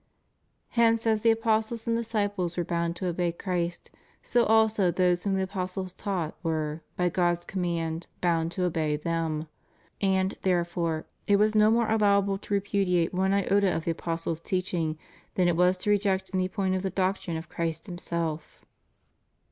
^ Hence as the apostles and disciples were bound to obey Christ, so also those whom the apostles taught were, by God's command, bound to obey them. And, therefore, it was no more allowable to repudiate one iota of the apostle' teaching than it was to reject any point of the doctrine of Christ EQmself.